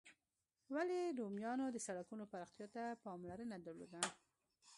ولي رومیانو د سړکونو پراختیا ته پاملرنه درلوده؟